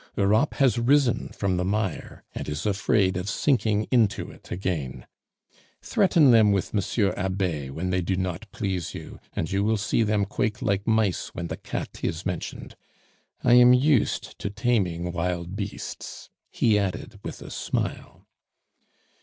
"Europe has risen from the mire, and is afraid of sinking into it again. Threaten them with Monsieur Abbe when they do not please you, and you will see them quake like mice when the cat is mentioned. I am used to taming wild beasts," he added with a smile.